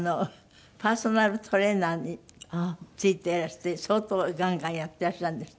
パーソナルトレーナーについていらして相当ガンガンやっていらっしゃるんですって？